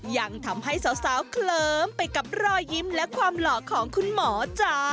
ยังทำให้สาวเคลิ้มไปกับรอยยิ้มและความหล่อของคุณหมอจ้า